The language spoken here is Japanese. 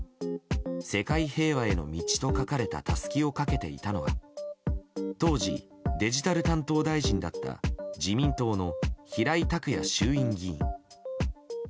世界平和への道と書かれたたすきをかけていたのは当時、デジタル担当大臣だった自民党の平井卓也衆院議員。